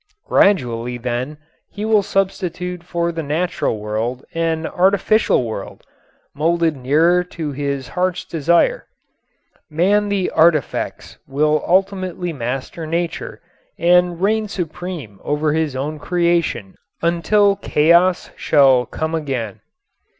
Gradually then he will substitute for the natural world an artificial world, molded nearer to his heart's desire. Man the Artifex will ultimately master Nature and reign supreme over his own creation until chaos shall come again.